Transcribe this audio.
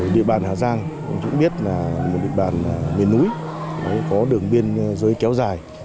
địa bàn hà giang chúng biết là địa bàn miền núi có đường biên dưới kéo dài